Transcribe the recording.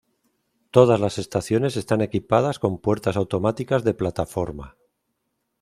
Todas las estaciones están equipadas con puertas automáticas de plataforma.